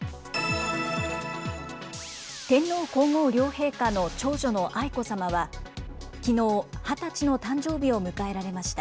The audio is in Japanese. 天皇皇后両陛下の長女の愛子さまは、きのう、２０歳の誕生日を迎えられました。